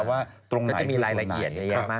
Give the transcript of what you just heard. ว่าตรงไหนคือส่วนไหน